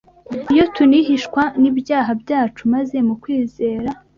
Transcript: Iyo tunihishwa n’ibyaha byacu maze mu kwizera